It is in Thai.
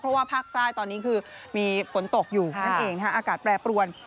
เพราะว่าภาคใต้ตอนนี้คือมีฝนตกอยู่นั่นเองอากาศแปรปรวน